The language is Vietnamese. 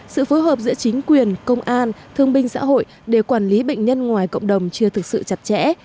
sự phối hợp giữa chính quyền công an thương binh xã hội để quản lý bệnh nhân ngoài cộng đồng chưa thực sự chặt chẽ